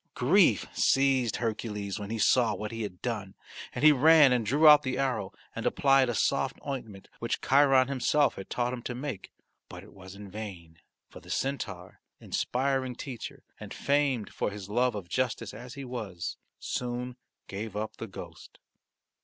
Grief seized Hercules when he saw what he had done and he ran and drew out the arrow and applied a soft ointment which Chiron himself had taught him to make. But it was in vain, for the centaur, inspiring teacher and famed for his love of justice as he was, soon gave up the ghost.